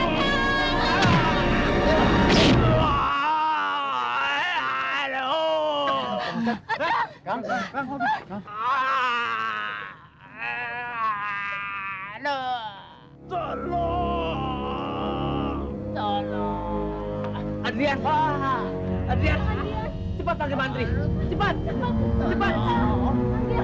kita bikin rata dengan tanah yan